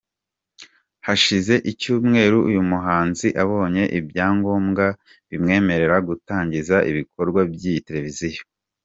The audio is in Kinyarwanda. Hashize icyumweru uyu muhanzi abonye ibyangombwa bimwerera gutangiza ibikorwa by’iyi televiziyo.